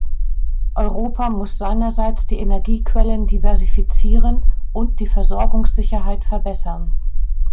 Europa muss seinerseits die Energiequellen diversifizieren und die Versorgungssicherheit verbessern.